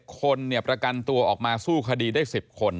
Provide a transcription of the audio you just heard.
คนประกันตัวออกมาสู้คดีได้๑๐คน